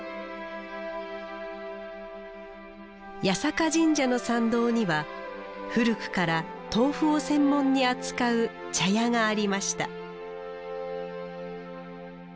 八坂神社の参道には古くから豆腐を専門に扱う茶屋がありました